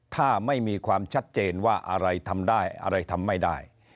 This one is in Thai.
ถ้าไม่มีความชัดเจนว่าอะไรทำได้อะไรทำไม่ได้